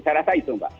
saya rasa itu mbak